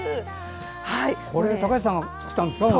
これ高橋さんが作ったんですか？